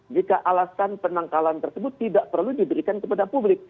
jika alasan penangkalan tersebut tidak perlu diberikan kepada publik